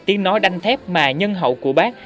tiếng nói đanh thép mà nhân hậu của bác